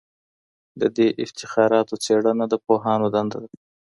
د دې افتخاراتو څېړنه د پوهانو دنده ده